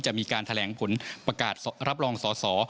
จะมีการแถลงผลประกาศรับรองสอสอ